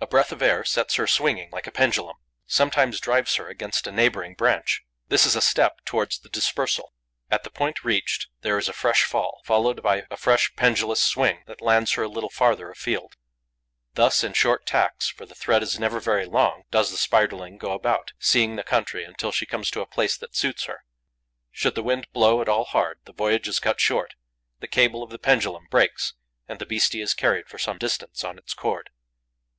A breath of air sets her swinging like a pendulum, sometimes drives her against a neighbouring branch. This is a step towards the dispersal. At the point reached, there is a fresh fall, followed by a fresh pendulous swing that lands her a little farther afield. Thus, in short tacks, for the thread is never very long, does the Spiderling go about, seeing the country, until she comes to a place that suits her. Should the wind blow at all hard, the voyage is cut short: the cable of the pendulum breaks and the beastie is carried for some distance on its cord.